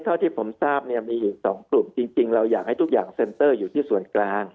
เท่าที่ผมทราบเนี่ยมีอยู่๒กลุ่มจริงเราอยากให้ทุกอย่างเซ็นเตอร์อยู่ที่ส่วนกลาง